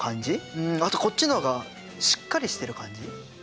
うんあとこっちの方がしっかりしてる感じ。